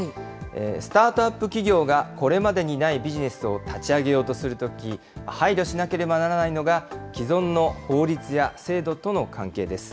スタートアップ企業がこれまでにないビジネスを立ち上げようとするとき、配慮しなければならないのが、既存の法律や制度との関係です。